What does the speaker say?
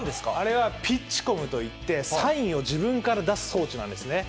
あれはピッチコムといって、サインを自分から出す装置なんですね。